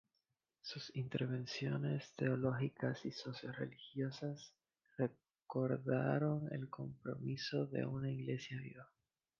Sus intervenciones teológicas y socio-religiosas recordaron el compromiso de una Iglesia viva.